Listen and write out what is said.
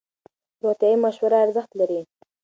روغتیایي مشوره ارزښت لري.